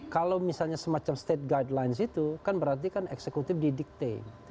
kalau misalnya semacam state guidelines itu kan berarti kan eksekutif didikte